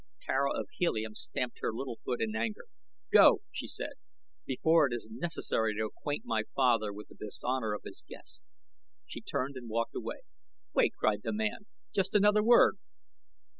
Tara of Helium stamped her little foot in anger. "Go!" she said, "before it is necessary to acquaint my father with the dishonor of his guest." She turned and walked away. "Wait!" cried the man. "Just another word."